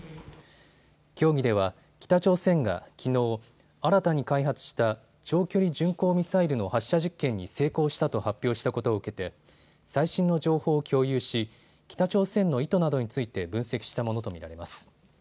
協議では北朝鮮がきのう、新たに開発した長距離巡航ミサイルの発射実験に成功したと発表したことを受けて最新の情報を共有し北朝鮮の意図などについて分析したものと見られます。